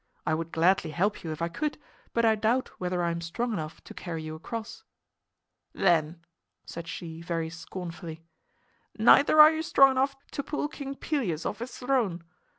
I would gladly help you if I could, but I doubt whether I am strong enough to carry you across." "Then," said she very scornfully, "neither are you strong enough to pull King Pelias off his throne.